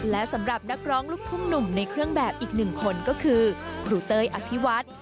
และสำหรับนักร้องลูกทุ่งหนุ่มในเครื่องแบบอีกหนึ่งคนก็คือครูเต้ยอภิวัฒน์